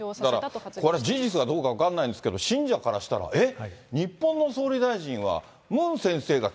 だからこれ、事実かどうか分かんないんですけれども、信者からしたら、えっ？